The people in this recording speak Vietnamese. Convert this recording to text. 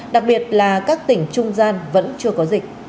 đặc biệt là các tỉnh trung gian vẫn chưa có dịch